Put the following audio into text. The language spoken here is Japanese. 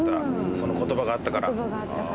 その言葉があったから。